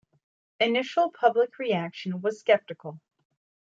Initial public reaction was skeptical.